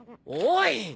おい！